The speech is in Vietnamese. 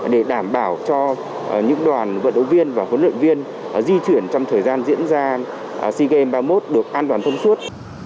để đảm bảo cho những đoàn vận động viên và huấn luyện viên di chuyển trong thời gian diễn ra sea games ba mươi một được an toàn thông suốt